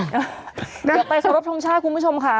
เดี๋ยวไปขอรบทรงชาติคุณผู้ชมค่ะ